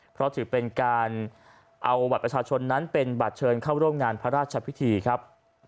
เพราะถือเป็นการเอาบัตรประชาชนนั้นเป็นบัตรเชิญเข้าร่วมงานพระราชพิธีครับ